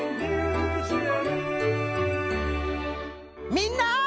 みんな！